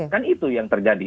kan itu yang terjadi